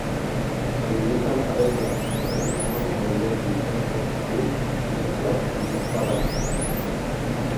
S'alimenta en parelles o petits grups familiars d'insectes, fruits, nèctar i farratge.